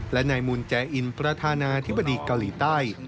และนายมูลแจอินประธานาธิบดีเกาหลีใต้